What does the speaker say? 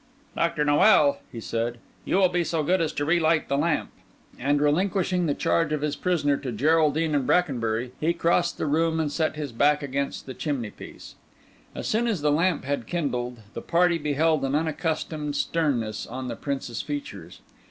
"Dr. Noel," he said, "you will be so good as to re light the lamp." And relinquishing the charge of his prisoner to Geraldine and Brackenbury, he crossed the room and set his back against the chimney piece. As soon as the lamp had kindled, the party beheld an unaccustomed sternness on the Prince's features.